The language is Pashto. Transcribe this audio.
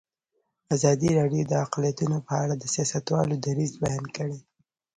ازادي راډیو د اقلیتونه په اړه د سیاستوالو دریځ بیان کړی.